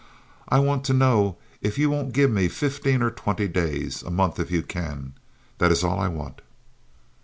I want to know if you won't give me fifteen or twenty days—a month, if you can. That is all I want."